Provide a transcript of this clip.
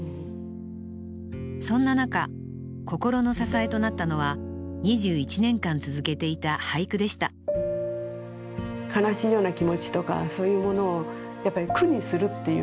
そんな中心の支えとなったのは２１年間続けていた俳句でしたそれはもう本当にね。